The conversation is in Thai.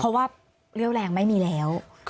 เพราะว่าเรี่ยวแรงไม่มีแล้ว